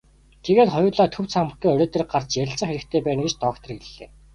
Тэгээд хоёулаа төв цамхгийн орой дээр гарч ярилцах хэрэгтэй байна гэж доктор хэллээ.